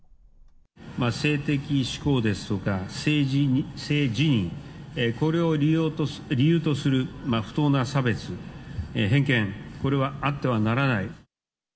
性的指向ですとか、性自認、これを理由とする不当な差別、偏見、これはあってはならない。